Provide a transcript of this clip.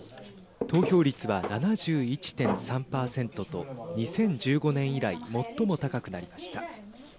投票率は７１．３％と２０１５年以来最も高くなりました。